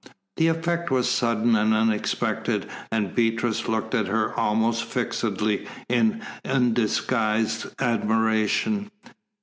The effect was sudden and unexpected, and Beatrice looked at her almost fixedly, in undisguised admiration.